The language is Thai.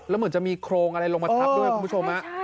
แล้วเหมือนจะมีโครงอะไรลงมาทับด้วยคุณผู้ชม